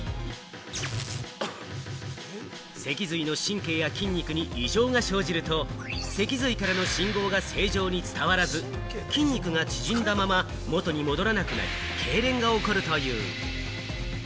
しかし、脊髄の神経や筋肉に異常が生じると、脊髄からの信号が正常に伝わらず、筋肉が縮んだまま元に戻らなくなり、けいれんが起こるという。